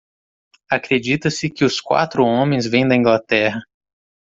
Acredita-se que os quatro homens vêm da Inglaterra.